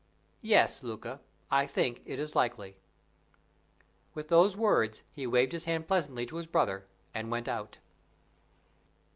"Yes, Luca, I think it is likely." With those words he waved his hand pleasantly to his brother, and went out.